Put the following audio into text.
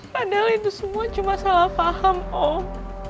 padahal itu semua cuma salah faham om